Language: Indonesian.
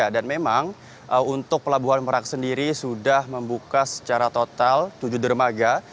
dan memang untuk pelabuhan merak sendiri sudah membuka secara total tujuh dermaga